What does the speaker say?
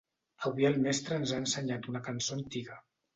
Avui el mestre ens ha ensenyat una cançó antiga.